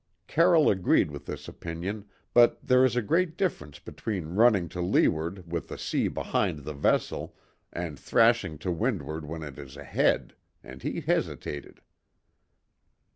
Carroll agreed with this opinion; but there is a great difference between running to leeward with the sea behind the vessel, and thrashing to windward when it is ahead, and he hesitated.